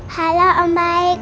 halo om baik